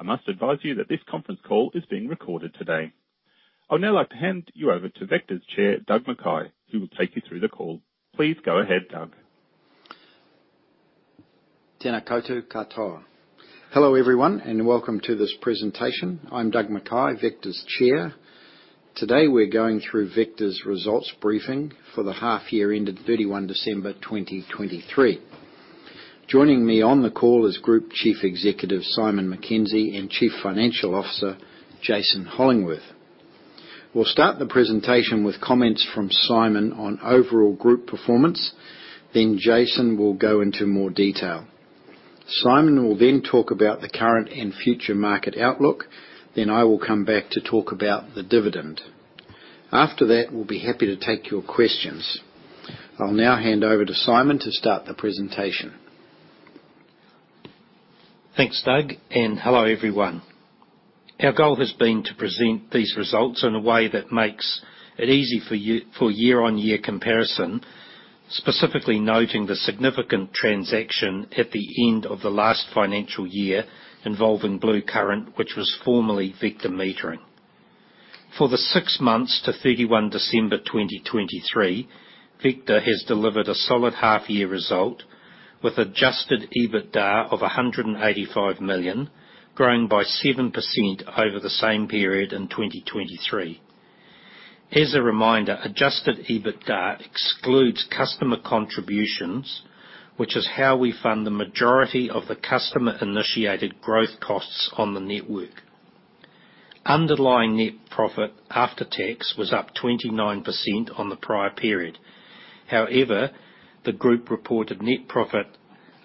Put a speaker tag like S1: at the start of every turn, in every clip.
S1: I must advise you that this conference call is being recorded today. I would now like to hand you over to Vector's Chair, Doug McKay, who will take you through the call. Please go ahead, Doug.
S2: Hello, everyone, and welcome to this presentation. I'm Doug McKay, Vector's Chair. Today, we're going through Vector's results briefing for the half year ended 31 December 2023. Joining me on the call is Group Chief Executive, Simon Mackenzie, and Chief Financial Officer, Jason Hollingworth. We'll start the presentation with comments from Simon on overall group performance, then Jason will go into more detail. Simon will then talk about the current and future market outlook, then I will come back to talk about the dividend. After that, we'll be happy to take your questions. I'll now hand over to Simon to start the presentation.
S3: Thanks, Doug, and hello, everyone. Our goal has been to present these results in a way that makes it easy for year-on-year comparison, specifically noting the significant transaction at the end of the last financial year involving Blue Current, which was formerly Vector Metering. For the six-months to 31 December 2023, Vector has delivered a solid half year result, with adjusted EBITDA of 185 million, growing by 7% over the same period in 2023. As a reminder, adjusted EBITDA excludes customer contributions, which is how we fund the majority of the customer-initiated growth costs on the network. Underlying net profit after tax was up 29% on the prior period. However, the group reported net profit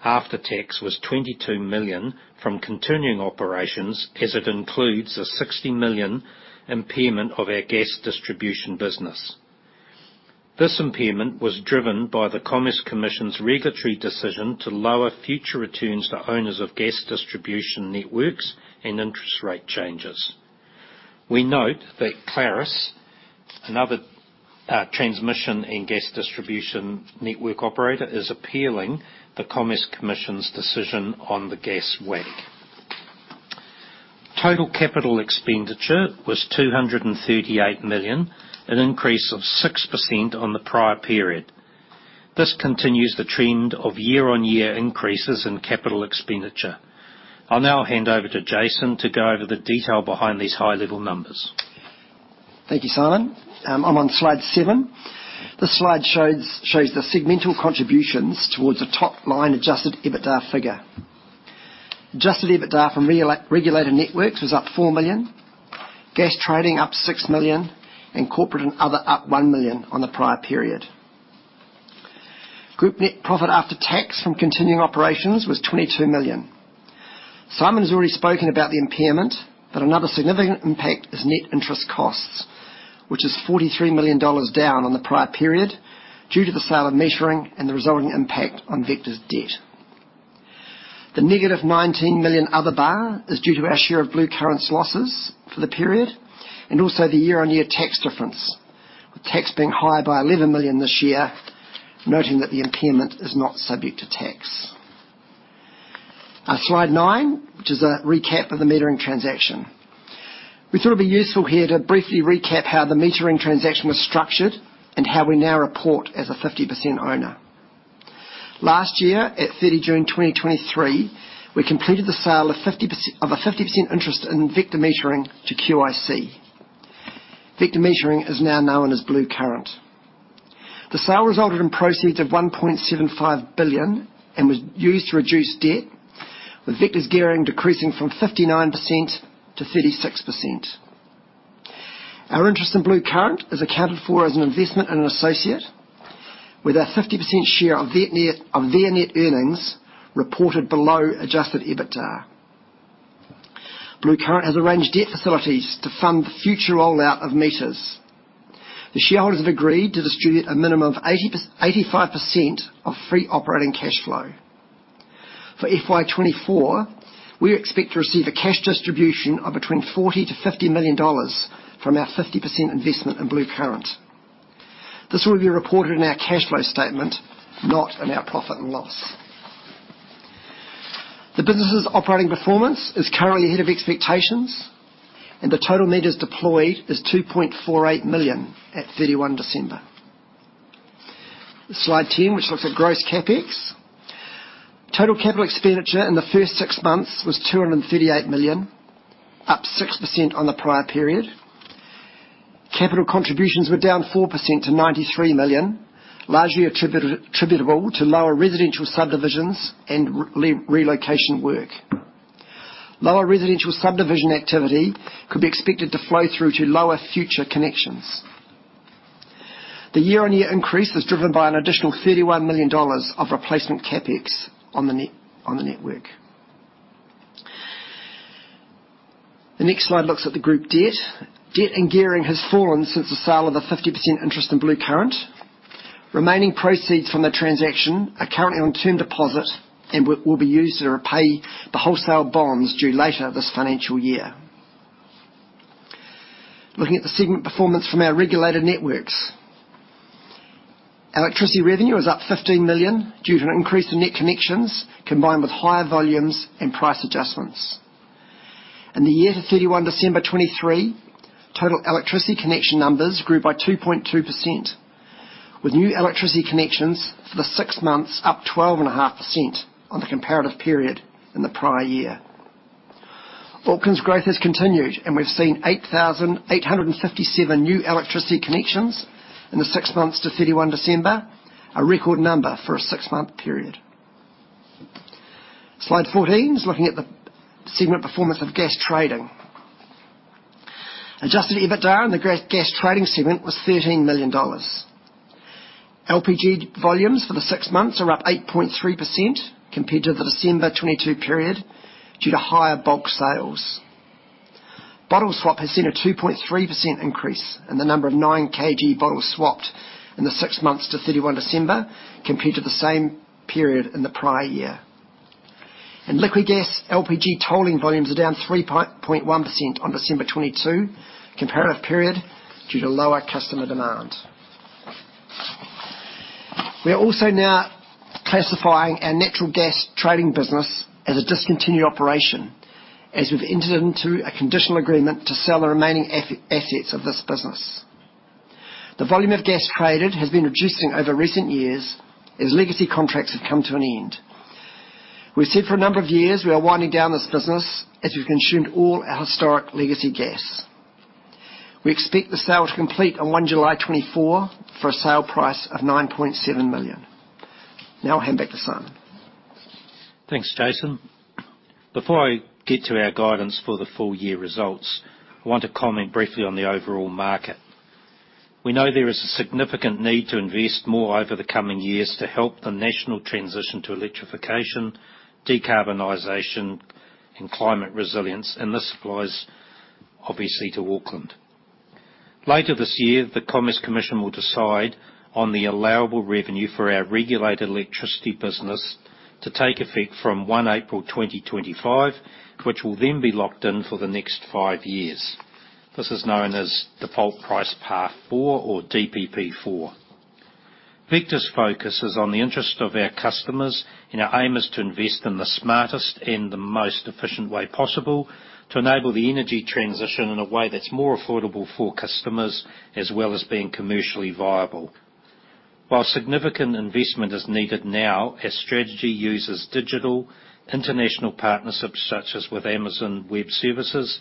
S3: after tax was 22 million from continuing operations, as it includes a 60 million impairment of our gas distribution business. This impairment was driven by the Commerce Commission's regulatory decision to lower future returns to owners of gas distribution networks and interest rate changes. We note that Claris, another, transmission and gas distribution network operator, is appealing the Commerce Commission's decision on the gas WACC. Total capital expenditure was 238 million, an increase of 6% on the prior period. This continues the trend of year-on-year increases in capital expenditure. I'll now hand over to Jason to go over the detail behind these high-level numbers.
S4: Thank you, Simon. I'm on slide seven. This slide shows the segmental contributions towards the top line adjusted EBITDA figure. Adjusted EBITDA from regulated networks was up 4 million, gas trading up 6 million, and corporate and other, up 1 million on the prior period. Group net profit after tax from continuing operations was 22 million. Simon has already spoken about the impairment, but another significant impact is net interest costs, which is 43 million dollars down on the prior period due to the sale of metering and the resulting impact on Vector's debt. The -19 million other bar is due to our share of Blue Current's losses for the period, and also the year-on-year tax difference, with tax being higher by 11 million this year, noting that the impairment is not subject to tax. Slide 9, which is a recap of the metering transaction. We thought it'd be useful here to briefly recap how the metering transaction was structured and how we now report as a 50% owner. Last year, at 30 June 2023, we completed the sale of 50% of a 50% interest in Vector Metering to QIC. Vector Metering is now known as Blue Current. The sale resulted in proceeds of 1.75 billion and was used to reduce debt, with Vector's gearing decreasing from 59% to 36%. Our interest in Bluecurrent is accounted for as an investment in an associate, with our 50% share of their net earnings reported below Adjusted EBITDA. Bluecurrent has arranged debt facilities to fund the future rollout of meters. The shareholders have agreed to distribute a minimum of 85% of free operating cashflow. For FY 2024, we expect to receive a cash distribution of between 40 million-50 million dollars from our 50% investment in Bluecurrent. This will be reported in our cash flow statement, not in our profit and loss. The business's operating performance is currently ahead of expectations, and the total meters deployed is 2.48 million at 31 December. Slide 10, which looks at gross CapEx. Total capital expenditure in the first six months was 238 million, up 6% on the prior period. Capital contributions were down 4% to 93 million, largely attributable to lower residential subdivisions and relocation work. Lower residential subdivision activity could be expected to flow through to lower future connections. The year-on-year increase is driven by an additional 31 million dollars of replacement CapEx on the network. The next slide looks at the group debt. Debt and gearing has fallen since the sale of the 50% interest in Blue Current. Remaining proceeds from the transaction are currently on term deposit and will be used to repay the wholesale bonds due later this financial year.... Looking at the segment performance from our regulated networks. Electricity revenue is up 15 million due to an increase in net connections, combined with higher volumes and price adjustments. In the year to 31 December 2023, total electricity connection numbers grew by 2.2%, with new electricity connections for the six months up 12.5% on the comparative period in the prior year. Auckland's growth has continued, and we've seen 8,857 new electricity connections in the six months to 31 December, a record number for a six-month period. Slide 14 is looking at the segment performance of gas trading. Adjusted EBITDA in the gas trading segment was NZD 13 million. LPG volumes for the six months are up 8.3% compared to the December 2022 period, due to higher bulk sales. Bottle swap has seen a 2.3% increase in the number of 9 kg bottles swapped in the six months to 31 December, compared to the same period in the prior year. In liquid gas, LPG tolling volumes are down 3.1% on December 2022 comparative period due to lower customer demand. We are also now classifying our natural gas trading business as a discontinued operation, as we've entered into a conditional agreement to sell the remaining assets of this business. The volume of gas traded has been reducing over recent years as legacy contracts have come to an end. We've said for a number of years, we are winding down this business as we've consumed all our historic legacy gas. We expect the sale to complete on 1 July 2024 for a sale price of 9.7 million. Now I'll hand back to Simon.
S3: Thanks, Jason. Before I get to our guidance for the full year results, I want to comment briefly on the overall market. We know there is a significant need to invest more over the coming years to help the national transition to electrification, decarbonization, and climate resilience, and this applies obviously to Auckland. Later this year, the Commerce Commission will decide on the allowable revenue for our regulated electricity business to take effect from 1 April 2025, which will then be locked in for the next five years. This is known as Default Price Path 4 or DPP 4. Vector's focus is on the interest of our customers, and our aim is to invest in the smartest and the most efficient way possible to enable the energy transition in a way that's more affordable for customers, as well as being commercially viable. While significant investment is needed now, our strategy uses digital international partnerships, such as with Amazon Web Services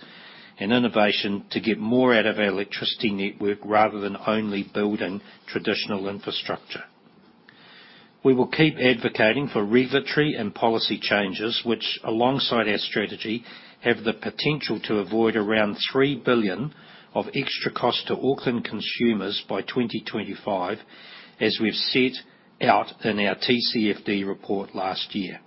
S3: and innovation, to get more out of our electricity network rather than only building traditional infrastructure. We will keep advocating for regulatory and policy changes, which, alongside our strategy, have the potential to avoid around 3 billion of extra cost to Auckland consumers by 2025, as we've set out in our TCFD report last year.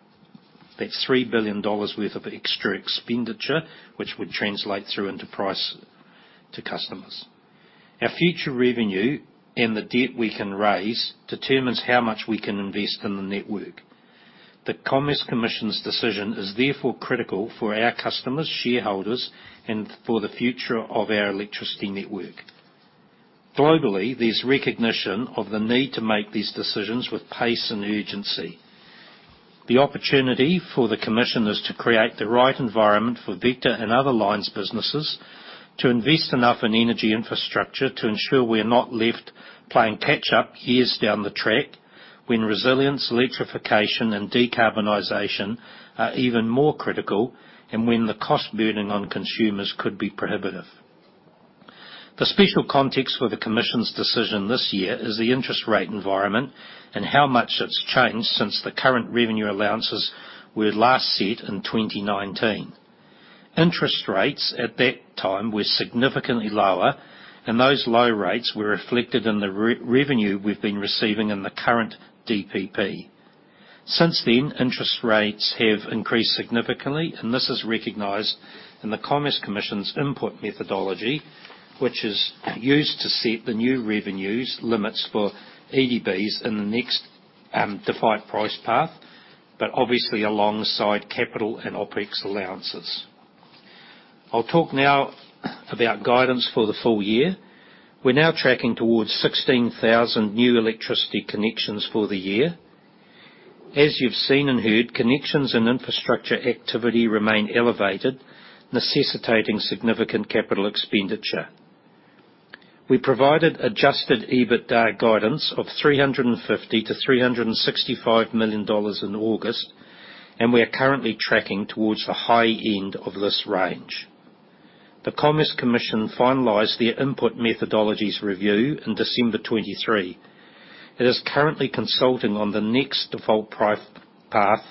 S3: That's 3 billion dollars worth of extra expenditure, which would translate through into price to customers. Our future revenue and the debt we can raise determines how much we can invest in the network. The Commerce Commission's decision is therefore critical for our customers, shareholders, and for the future of our electricity network. Globally, there's recognition of the need to make these decisions with pace and urgency. The opportunity for the commission is to create the right environment for Vector and other lines businesses to invest enough in energy infrastructure to ensure we are not left playing catch up years down the track, when resilience, electrification, and decarbonization are even more critical, and when the cost burden on consumers could be prohibitive. The special context for the commission's decision this year is the interest rate environment and how much it's changed since the current revenue allowances were last set in 2019. Interest rates at that time were significantly lower, and those low rates were reflected in the revenue we've been receiving in the current DPP. Since then, interest rates have increased significantly, and this is recognized in the Commerce Commission's input methodology, which is used to set the new revenues limits for EDBs in the next, defined price path, but obviously alongside capital and OpEx allowances. I'll talk now about guidance for the full year. We're now tracking towards 16,000 new electricity connections for the year. As you've seen and heard, connections and infrastructure activity remain elevated, necessitating significant capital expenditure. We provided adjusted EBITDA guidance of 350 million-365 million dollars in August, and we are currently tracking towards the high end of this range. The Commerce Commission finalized their input methodologies review in December 2023. It is currently consulting on the next default price path,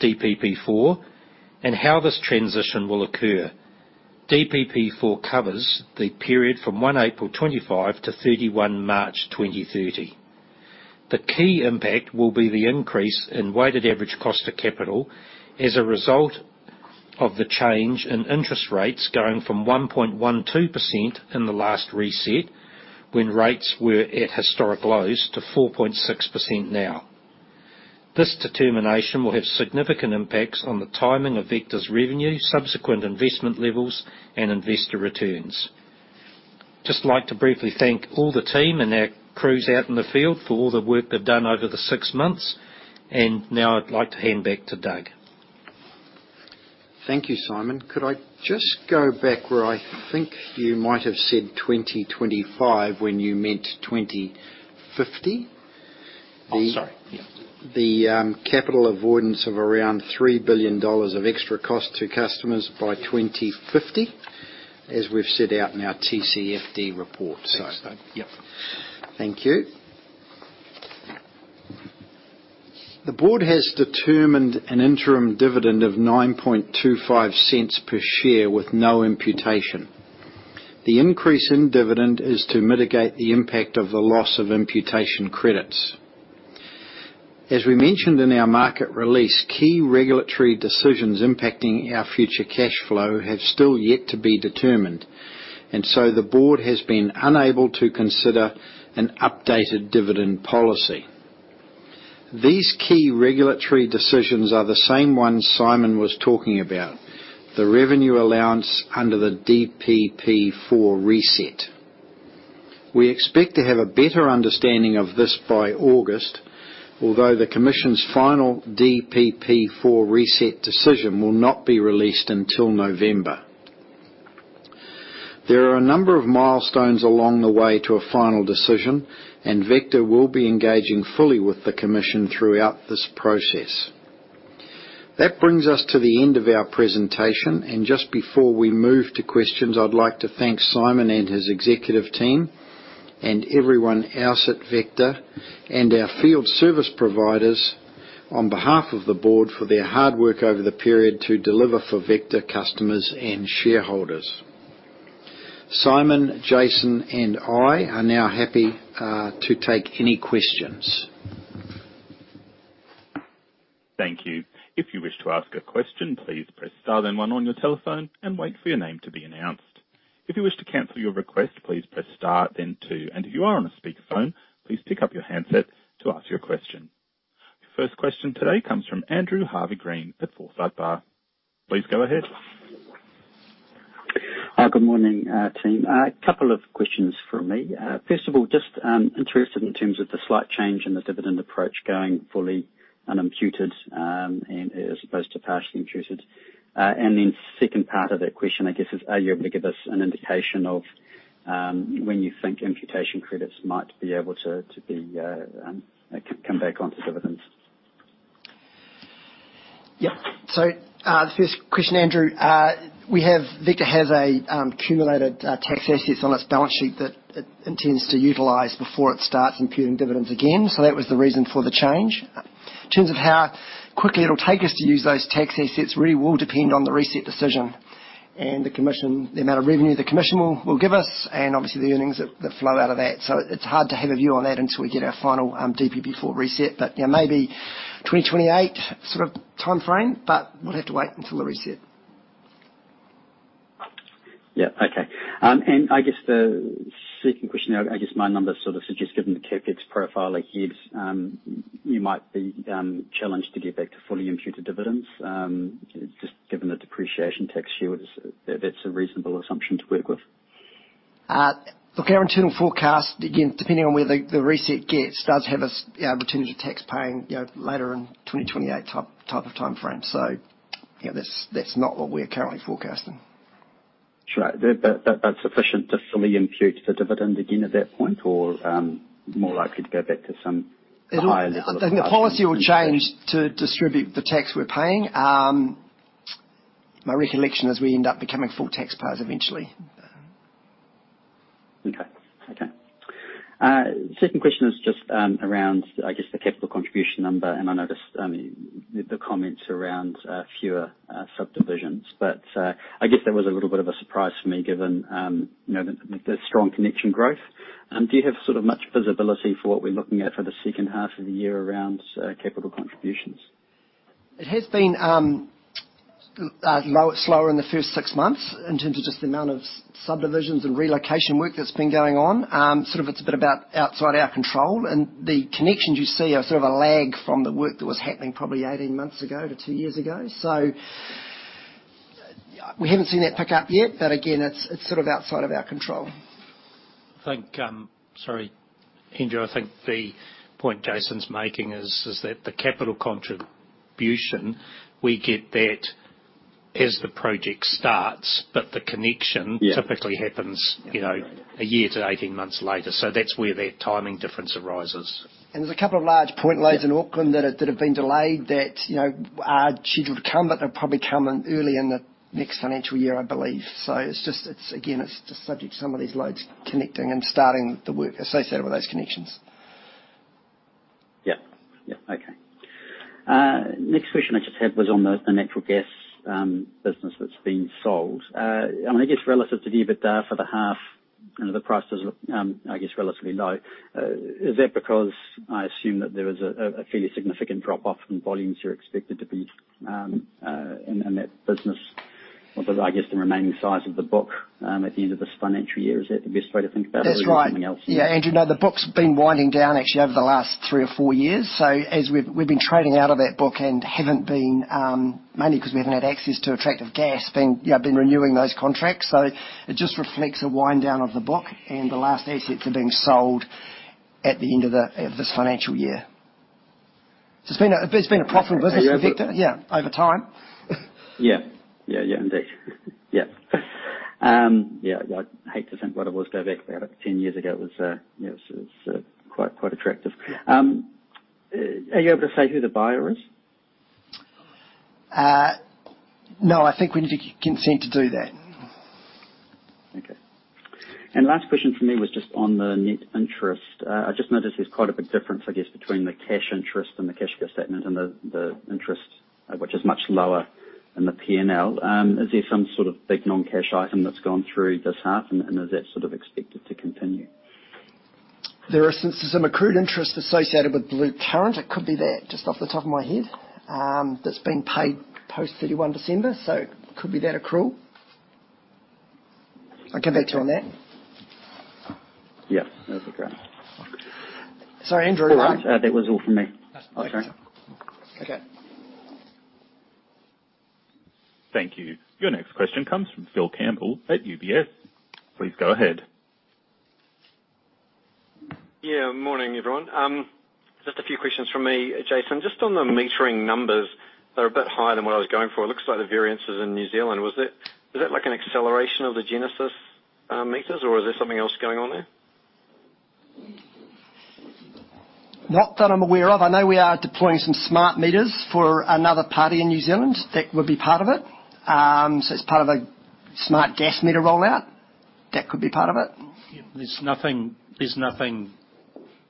S3: DPP4, and how this transition will occur. DPP4 covers the period from 1 April 2025 to 31 March 2030. The key impact will be the increase in weighted average cost of capital as a result of the change in interest rates going from 1.12% in the last reset, when rates were at historic lows, to 4.6% now. This determination will have significant impacts on the timing of Vector's revenue, subsequent investment levels, and investor returns. Just like to briefly thank all the team and our crews out in the field for all the work they've done over the six months. And now I'd like to hand back to Doug.
S2: Thank you, Simon. Could I just go back where I think you might have said 2025 when you meant 2050?
S3: Oh, sorry. Yeah.
S2: The capital avoidance of around 3 billion dollars of extra cost to customers by 2050, as we've set out in our TCFD report. So-
S3: Thanks, Doug. Yep.
S2: Thank you. The board has determined an interim dividend of 0.0925 per share with no imputation. The increase in dividend is to mitigate the impact of the loss of imputation credits. As we mentioned in our market release, key regulatory decisions impacting our future cash flow have still yet to be determined, and so the board has been unable to consider an updated dividend policy. These key regulatory decisions are the same ones Simon was talking about, the revenue allowance under the DPP4 reset. We expect to have a better understanding of this by August, although the Commission's final DPP4 reset decision will not be released until November. There are a number of milestones along the way to a final decision, and Vector will be engaging fully with the Commission throughout this process. That brings us to the end of our presentation, and just before we move to questions, I'd like to thank Simon and his executive team, and everyone else at Vector, and our field service providers on behalf of the board for their hard work over the period to deliver for Vector customers and shareholders. Simon, Jason, and I are now happy to take any questions.
S1: Thank you. If you wish to ask a question, please press star then one on your telephone and wait for your name to be announced. If you wish to cancel your request, please press star then two. And if you are on a speakerphone, please pick up your handset to ask your question. First question today comes from Andrew Harvey-Green at Forsyth Barr. Please go ahead.
S5: Hi, good morning, team. A couple of questions from me. First of all, just interested in terms of the slight change in the dividend approach, going fully unimputed, and as opposed to partially imputed. And then second part of that question, I guess, is, are you able to give us an indication of when you think imputation credits might be able to come back onto dividends?
S4: Yeah. So, the first question, Andrew, we have Vector has accumulated tax assets on its balance sheet that it intends to utilize before it starts imputing dividends again. So that was the reason for the change. In terms of how quickly it'll take us to use those tax assets, really will depend on the reset decision and the commission the amount of revenue the commission will give us, and obviously, the earnings that flow out of that. So it's hard to have a view on that until we get our final DPP4 reset. But, yeah, maybe 2028 sort of timeframe, but we'll have to wait until the reset.
S5: Yeah. Okay. And I guess the second question, I, I guess my numbers sort of suggest, given the CapEx profile ahead, you might be challenged to get back to fully imputed dividends, just given the depreciation tax shield, is it? That's a reasonable assumption to work with?
S4: Look, our internal forecast, again, depending on where the reset gets, does have us, yeah, returning to tax paying, you know, later in 2028 type of timeframe. So, yeah, that's not what we're currently forecasting.
S5: Sure. But sufficient to fully impute the dividend again at that point, or more likely to go back to some higher level?
S4: The policy will change to distribute the tax we're paying. My recollection is we end up becoming full taxpayers eventually.
S5: Okay. Okay. Second question is just around, I guess, the capital contribution number, and I noticed the comments around fewer subdivisions. But, I guess that was a little bit of a surprise for me, given you know the strong connection growth. Do you have sort of much visibility for what we're looking at for the second half of the year around capital contributions?
S4: It has been slower in the first six months in terms of just the amount of subdivisions and relocation work that's been going on. Sort of, it's a bit outside our control, and the connections you see are sort of a lag from the work that was happening probably 18 months ago to 2 years ago. So we haven't seen that pick up yet, but again, it's sort of outside of our control.
S3: I think. Sorry, Andrew, I think the point Jason's making is that the capital contribution, we get that as the project starts, but the connection-
S4: Yeah
S3: Typically happens, you know, a year to 18 months later. So that's where that timing difference arises.
S4: There's a couple of large point loads in Auckland that have been delayed that, you know, are scheduled to come, but they'll probably come in early in the next financial year, I believe. So it's just—it's again, it's just subject to some of these loads connecting and starting the work associated with those connections.
S5: Yeah. Yeah. Okay. Next question I just had was on the natural gas business that's been sold. I mean, I guess relative to the EBITDA for the half, you know, the price is, I guess, relatively low. Is that because I assume that there is a fairly significant drop-off in volumes you're expected to be in that business? Well, 'cause I guess the remaining size of the book at the end of this financial year, is that the best way to think about it-
S4: That's right.
S5: Or is there something else?
S4: Yeah, Andrew, no, the book's been winding down actually over the last three or four years. So as we've been trading out of that book and haven't been mainly because we haven't had access to attractive gas, renewing those contracts. So it just reflects a wind down of the book, and the last assets are being sold at the end of this financial year. It's been a profitable business for Vector-
S5: Are you-
S4: Yeah, over time.
S5: Yeah. Yeah, yeah, indeed. Yep. Yeah, I'd hate to think what it was go back about 10 years ago. It was, yeah, it was quite, quite attractive. Are you able to say who the buyer is?
S4: No, I think we need consent to do that.
S5: Okay. And last question from me was just on the net interest. I just noticed there's quite a big difference, I guess, between the cash interest and the cash flow statement, and the interest, which is much lower than the P&L. Is there some sort of big non-cash item that's gone through this half, and is that sort of expected to continue?
S4: There are some accrued interest associated with Blue current. It could be that, just off the top of my head, that's been paid post 31 December, so could be that accrual. I'll get back to you on that.
S5: Yeah, that's okay.
S4: Sorry, Andrew.
S5: No, that was all from me.
S4: Yes.
S5: Okay.
S4: Okay.
S1: Thank you. Your next question comes from Phil Campbell at UBS. Please go ahead.
S6: Yeah, morning, everyone. Just a few questions from me, Jason. Just on the metering numbers, they're a bit higher than what I was going for. It looks like the variance is in New Zealand. Was it is that like an acceleration of the Genesis meters, or is there something else going on there?
S4: Not that I'm aware of. I know we are deploying some smart meters for another party in New Zealand. That would be part of it. So it's part of a smart gas meter rollout. That could be part of it.
S3: Yeah, there's nothing, there's nothing,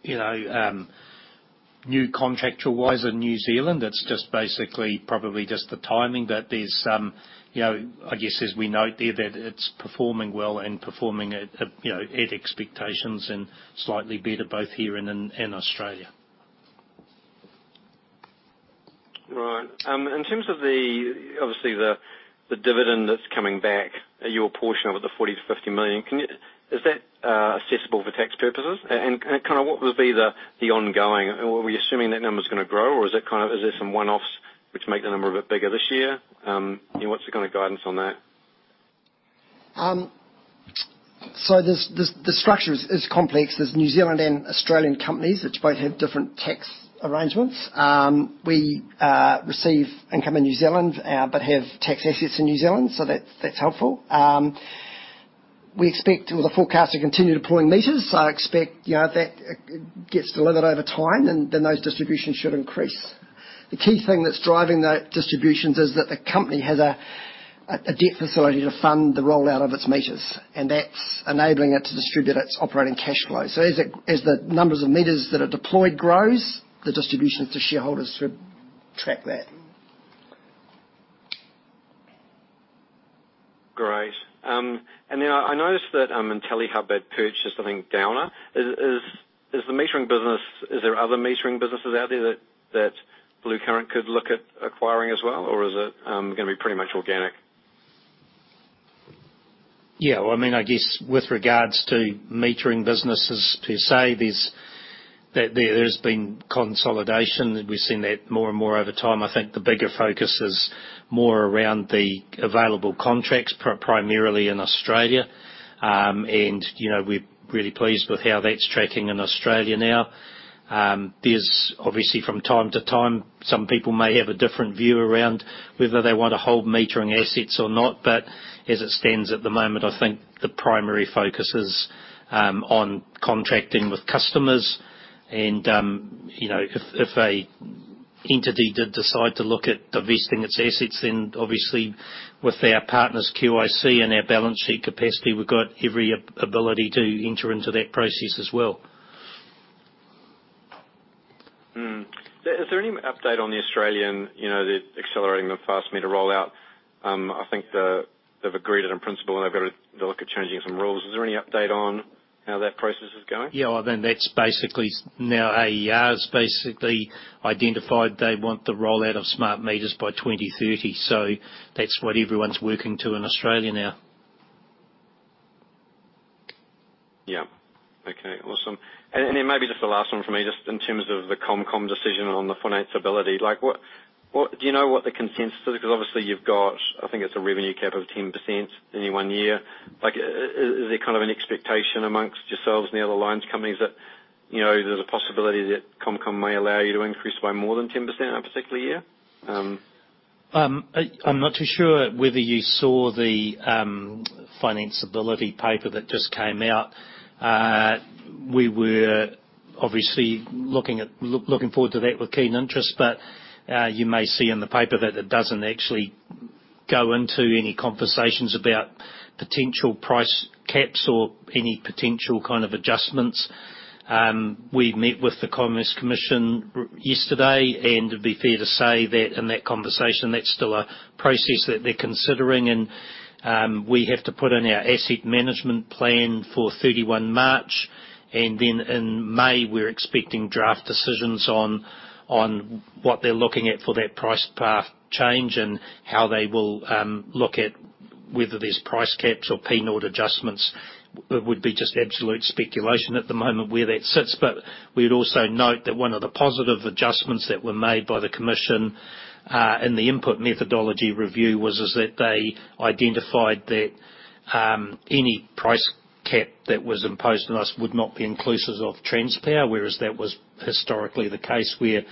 S3: you know, new contractual-wise in New Zealand. It's just basically probably just the timing, that there's some, you know, I guess, as we note there, that it's performing well and performing at, you know, at expectations and slightly better, both here and in Australia.
S6: Right. In terms of the, obviously, the dividend that's coming back, your portion of it, the 40-50 million, can you is that accessible for tax purposes? And kind of what would be the ongoing. Are we assuming that number is gonna grow, or is it kind of, is there some one-offs which make the number a bit bigger this year? And what's the kind of guidance on that?
S4: So the structure is complex. There's New Zealand and Australian companies, which both have different tax arrangements. We receive income in New Zealand, but have tax assets in New Zealand, so that's helpful. We expect with the forecast to continue deploying meters, you know, that gets delivered over time, then those distributions should increase. The key thing that's driving the distributions is that the company has a debt facility to fund the rollout of its meters, and that's enabling it to distribute its operating cash flow. So as the numbers of meters that are deployed grows, the distributions to shareholders should track that.
S6: Great. And then I noticed that IntelliHub had purchased, I think, Downer. Is the metering business, is there other metering businesses out there that Blue Current could look at acquiring as well? Or is it gonna be pretty much organic?
S3: Yeah, well, I mean, I guess with regards to metering businesses there's been consolidation. We've seen that more and more over time. I think the bigger focus is more around the available contracts, primarily in Australia. And, you know, we're really pleased with how that's tracking in Australia now. There's obviously from time to time, some people may have a different view around whether they want to hold metering assets or not, but as it stands at the moment, I think the primary focus is on contracting with customers, and, you know, if an entity did decide to look at divesting its assets, then obviously with our partners, QIC, and our balance sheet capacity, we've got every ability to enter into that process as well.
S6: Is there any update on the Australian, you know, the accelerating the smart meter rollout? I think they've agreed it in principle, and they've got to look at changing some rules. Is there any update on how that process is going?
S3: Yeah, well, then, that's basically now AEAR's basically identified they want the rollout of smart meters by 2030, so that's what everyone's working to in Australia now.
S6: Yeah. Okay, awesome. And then maybe just the last one from me, just in terms of the ComCom decision on the financeability. Like, what- do you know what the consensus is? Because obviously you've got, I think it's a revenue cap of 10% in any one year. Like, is there kind of an expectation amongst yourselves and the other lines companies that, you know, there's a possibility that ComC om may allow you to increase by more than 10% in a particular year?
S3: I'm not too sure whether you saw the financeability paper that just came out. We were obviously looking forward to that with keen interest, but you may see in the paper that it doesn't actually go into any conversations about potential price caps or any potential kind of adjustments. We've met with the Commerce Commission yesterday, and it'd be fair to say that in that conversation, that's still a process that they're considering, and we have to put in our asset management plan for 31 March. And then in May, we're expecting draft decisions on what they're looking at for that price path change and how they will look at whether there's price caps or PNOT adjustments. It would be just absolute speculation at the moment where that sits, but we'd also note that one of the positive adjustments that were made by the commission in the input methodology review was that they identified that any price cap that was imposed on us would not be inclusive of Transpower, whereas that was historically the case, where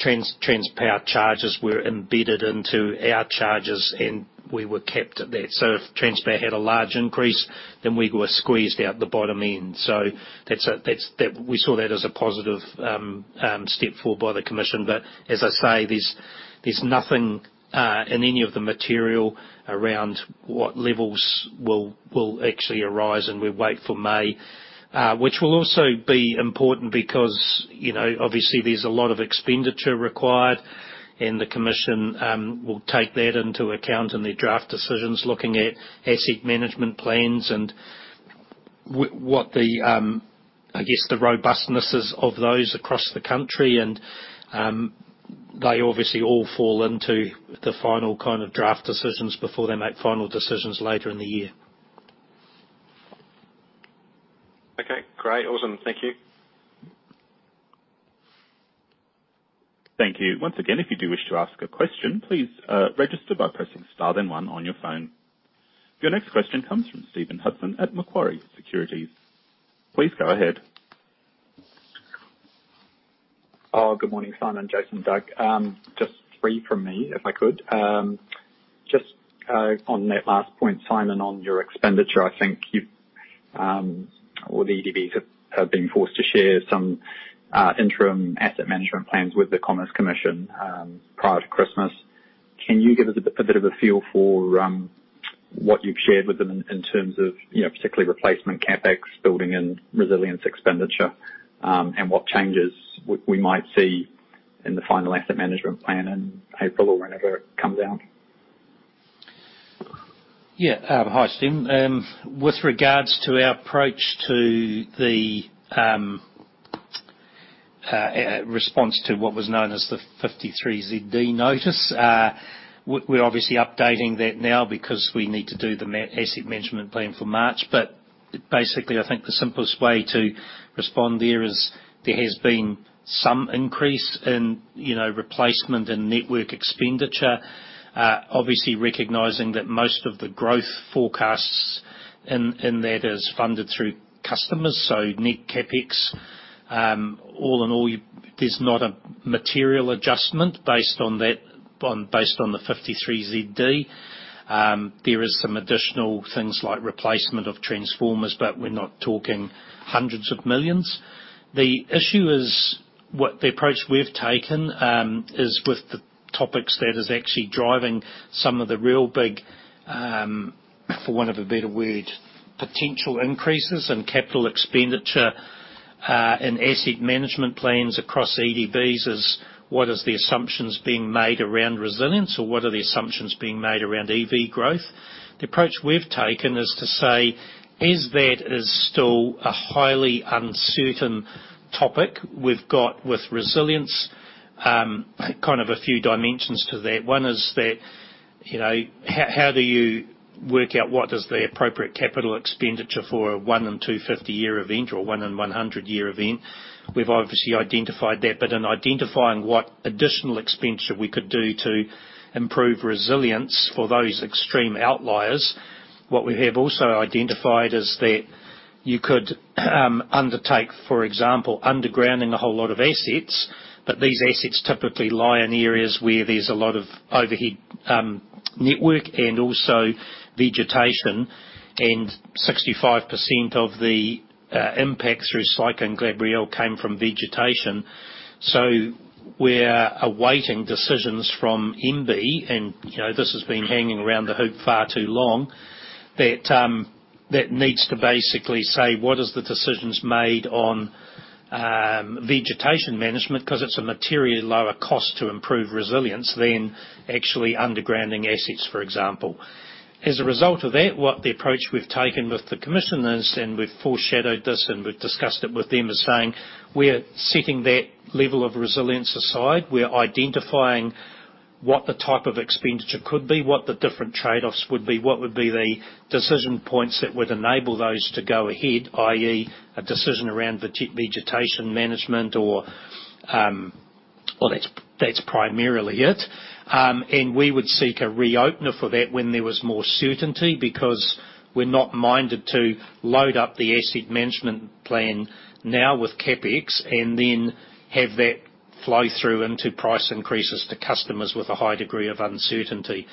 S3: Transpower charges were embedded into our charges, and we were capped at that. So if Transpower had a large increase, then we were squeezed out the bottom end. So we saw that as a positive step forward by the commission. But as I say, there's nothing in any of the material around what levels will actually arise, and we wait for May. Which will also be important because, you know, obviously there's a lot of expenditure required, and the commission will take that into account in their draft decisions, looking at asset management plans and what the, I guess, the robustnesses of those across the country. And they obviously all fall into the final kind of draft decisions before they make final decisions later in the year.
S6: Okay, great. Awesome. Thank you.
S1: Thank you. Once again, if you do wish to ask a question, please, register by pressing star then one on your phone. Your next question comes from Stephen Hudson at Macquarie Securities. Please go ahead.
S7: Good morning, Simon, Jason, Doug. Just three from me, if I could. Just on that last point, Simon, on your expenditure, I think you've or the EDBs have been forced to share some interim asset management plans with the Commerce Commission prior to Christmas. Can you give us a bit of a feel for what you've shared with them in terms of, you know, particularly replacement CapEx, building and resilience expenditure, and what changes we might see in the final asset management plan in April or whenever it comes out?
S3: Yeah. Hi, Stephen. With regards to our approach to the response to what was known as the 53 ZD notice, we're obviously updating that now because we need to do the asset management plan for March. But basically, I think the simplest way to respond there is, there has been some increase in, you know, replacement and network expenditure. Obviously recognizing that most of the growth forecasts in that is funded through customers, so net CapEx. All in all, there's not a material adjustment based on that, based on the 53 ZD. There is some additional things like replacement of transformers, but we're not talking NZD hundreds of millions. The issue is, what the approach we've taken is with the topics that is actually driving some of the real big, for want of a better word, potential increases in capital expenditure and asset management plans across EDBs, is what is the assumptions being made around resilience or what are the assumptions being made around EV growth? The approach we've taken is to say, is that is still a highly uncertain topic. We've got with resilience, kind of a few dimensions to that. One is that, you know, how, how do you work out what is the appropriate capital expenditure for a 1 in 250-year event or a 1 in 100-year event? We've obviously identified that, but in identifying what additional expenditure we could do to improve resilience for those extreme outliers, what we have also identified is that you could undertake, for example, undergrounding a whole lot of assets, but these assets typically lie in areas where there's a lot of overhead network and also vegetation, and 65% of the impacts through Cyclone Gabrielle came from vegetation. So we're awaiting decisions from MBIE, and, you know, this has been hanging around the hoop far too long, that that needs to basically say, what is the decisions made on vegetation management? Because it's a materially lower cost to improve resilience than actually undergrounding assets, for example. As a result of that, what the approach we've taken with the commission is, and we've foreshadowed this, and we've discussed it with them, is saying: We're setting that level of resilience aside. We're identifying what the type of expenditure could be, what the different trade-offs would be, what would be the decision points that would enable those to go ahead, i.e., a decision around vegetation management or. Well, that's, that's primarily it. And we would seek a reopener for that when there was more certainty, because we're not minded to load up the asset management plan now with CapEx and then have that flow through into price increases to customers with a high degree of uncertainty.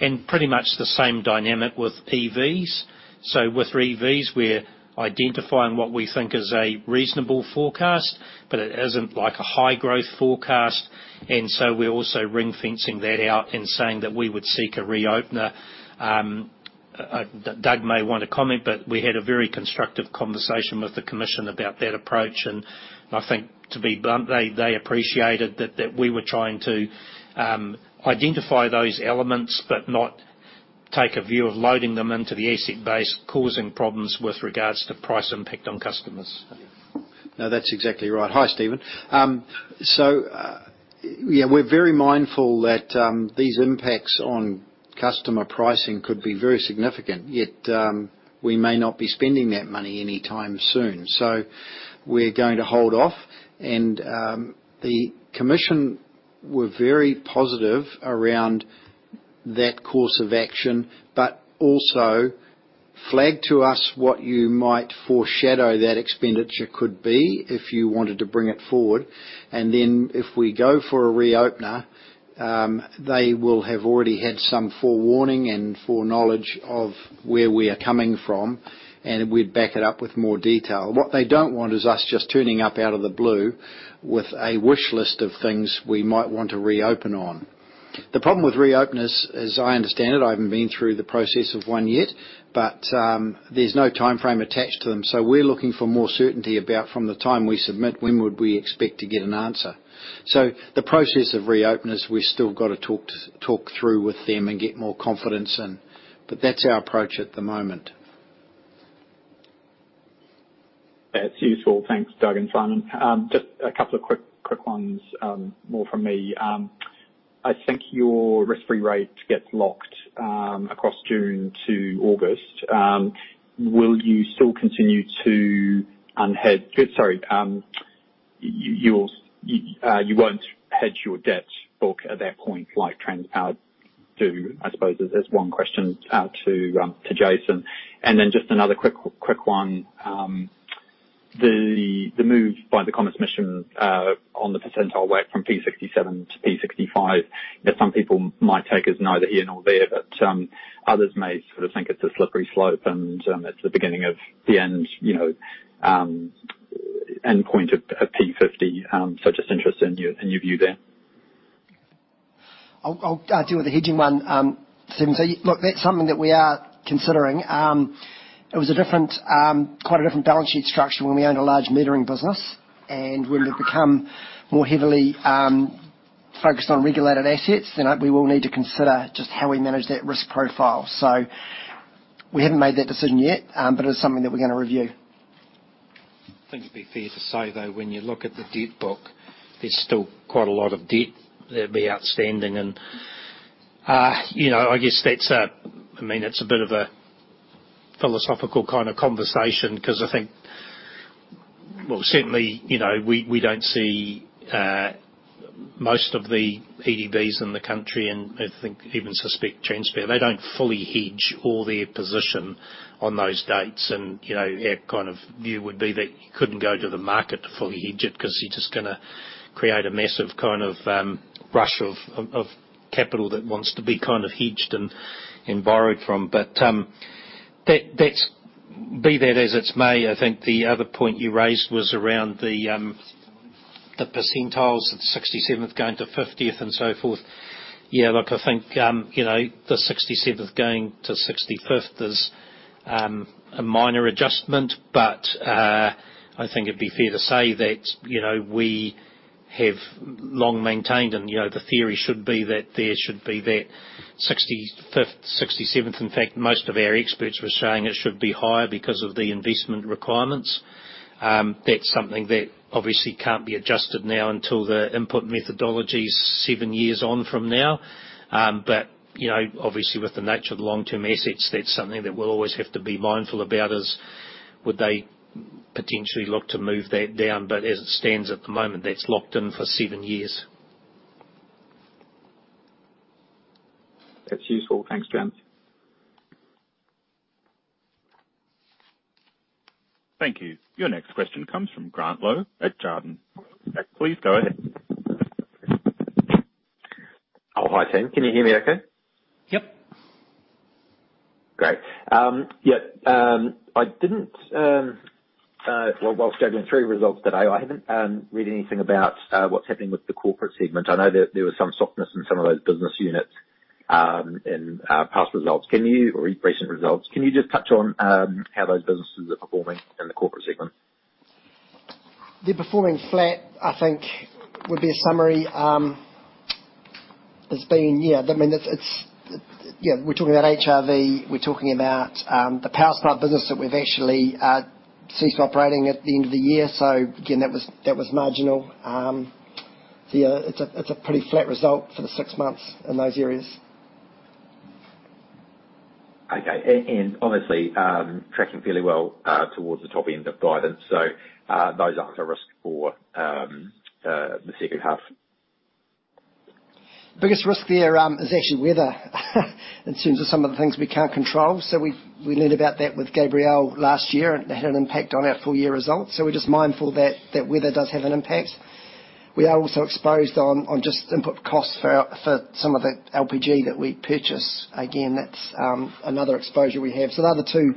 S3: And pretty much the same dynamic with EVs. So with EVs, we're identifying what we think is a reasonable forecast, but it isn't like a high growth forecast, and so we're also ring-fencing that out and saying that we would seek a reopener. Doug may want to comment, but we had a very constructive conversation with the commission about that approach, and I think to be blunt, they appreciated that we were trying to identify those elements but not take a view of loading them into the asset base, causing problems with regards to price impact on customers?
S2: No, that's exactly right. Hi, Stephen. So, yeah, we're very mindful that these impacts on customer pricing could be very significant, yet we may not be spending that money anytime soon. So we're going to hold off. And the Commission were very positive around that course of action, but also flagged to us what you might foreshadow that expenditure could be if you wanted to bring it forward. And then, if we go for a Reopener, they will have already had some forewarning and foreknowledge of where we are coming from, and we'd back it up with more detail. What they don't want is us just turning up out of the blue with a wish list of things we might want to reopen on. The problem with reopeners, as I understand it, I haven't been through the process of one yet, but, there's no timeframe attached to them. So we're looking for more certainty about from the time we submit, when would we expect to get an answer? So the process of reopeners, we've still got to talk through with them and get more confidence in. But that's our approach at the moment.
S7: That's useful. Thanks, Doug and Simon. Just a couple of quick, quick ones, more from me. I think your risk-free rate gets locked across June to August. Will you still continue to unhedge you won't hedge your debt book at that point, like Transpower do? I suppose that's one question to Jason. And then just another quick, quick one. The move by the Commerce Commission on the percentile weight from P67 to P65, that some people might take as neither here nor there, but others may sort of think it's a slippery slope, and it's the beginning of the end, you know, endpoint of P50. So just interested in your view there.
S4: I'll deal with the hedging one, Stephen. So look, that's something that we are considering. It was a different, quite a different balance sheet structure when we owned a large metering business. And when we've become more heavily focused on regulated assets, then we will need to consider just how we manage that risk profile. So we haven't made that decision yet, but it's something that we're gonna review.
S2: I think it'd be fair to say, though, when you look at the debt book, there's still quite a lot of debt that'd be outstanding. And, you know, I guess that's - I mean, it's a bit of a philosophical kind of conversation, 'cause I think. Well, certainly, you know, we, we don't see most of the EDBs in the country, and I think, even suspect Transpower, they don't fully hedge all their position on those dates. And, you know, our kind of view would be that you couldn't go to the market to fully hedge it, 'cause you're just gonna create a massive kind of rush of capital that wants to be kind of hedged and borrowed from. But, be that as it may, I think the other point you raised was around the percentiles, the 67th going to 50th, and so forth. Yeah, look, I think, you know, the 67th going to 65th is a minor adjustment, but I think it'd be fair to say that, you know, we have long maintained, and you know, the theory should be that there should be that 65th, 67th. In fact, most of our experts were saying it should be higher because of the investment requirements. That's something that obviously can't be adjusted now until the input methodology is seven years on from now. But, you know, obviously, with the nature of the long-term assets, that's something that we'll always have to be mindful about: would they potentially look to move that down? As it stands at the moment, that's locked in for seven years.
S7: That's useful. Thanks,
S1: Thank you. Your next question comes from Grant Lowe at Jarden. Please go ahead.
S8: Oh, hi, team. Can you hear me okay?
S1: Yep.
S8: Great. Yeah, I didn't, well, while sifting through results today, I haven't read anything about what's happening with the corporate segment. I know that there was some softness in some of those business units in past or recent results. Can you just touch on how those businesses are performing in the corporate segment?
S4: They're performing flat, I think would be a summary. It's been, yeah, I mean, it's. Yeah, we're talking about HRV, we're talking about the PowerSmart business that we've actually ceased operating at the end of the year. So again, that was marginal. Yeah, it's a pretty flat result for the six months in those areas.
S8: Okay. Obviously tracking fairly well towards the top end of guidance. Those aren't a risk for the second half.
S4: Biggest risk there is actually weather, in terms of some of the things we can't control. So, we learned about that with Gabrielle last year, and it had an impact on our full-year results. So, we're just mindful that weather does have an impact. We are also exposed on just input costs for some of the LPG that we purchase. Again, that's another exposure we have. So, another two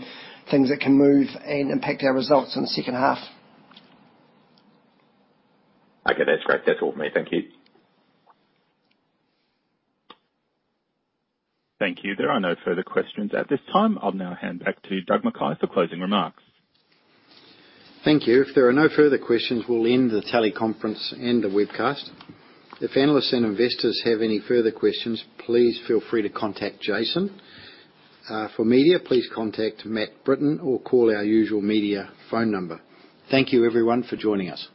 S4: things that can move and impact our results in the second half.
S8: Okay. That's great. That's all for me. Thank you.
S1: Thank you. There are no further questions at this time. I'll now hand back to Doug McKay for closing remarks.
S2: Thank you. If there are no further questions, we'll end the teleconference and the webcast. If analysts and investors have any further questions, please feel free to contact Jason. For media, please contact Matt Britton, or call our usual media phone number. Thank you, everyone, for joining us.